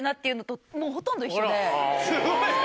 すごいね。